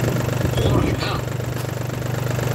Ɣuṛ-k ha!